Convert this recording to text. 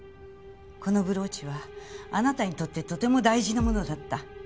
このブローチはあなたにとってとても大事なものだった。